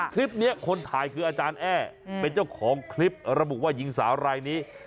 คลิปนี้คนถ่ายคืออาจารย์แอ้เป็นเจ้าของคลิประบุว่าหญิงสาวรายนี้